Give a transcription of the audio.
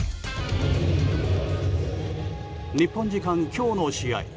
日本時間今日の試合。